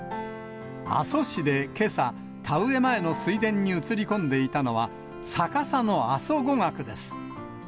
阿蘇市でけさ、田植え前の水田に映り込んでいたのは、逆さの阿蘇五岳です。